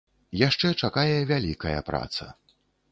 Яшчэ чакае вялікая праца.